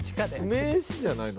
名詞じゃないの？